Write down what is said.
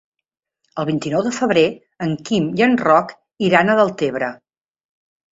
El vint-i-nou de febrer en Quim i en Roc iran a Deltebre.